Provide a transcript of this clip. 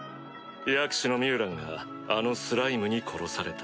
薬師のミュウランがあのスライムに殺された。